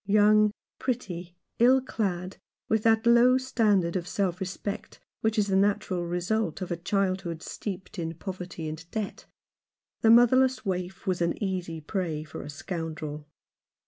Young, pretty, ill clad, with that low standard of self respect which is the natural result of a childhood steeped in poverty and debt, the motherless waif was an easy prey for a scoundrel.